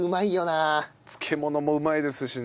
漬物もうまいですしね。